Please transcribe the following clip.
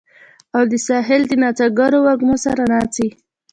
او د ساحل د نڅاګرو وږمو سره ناڅي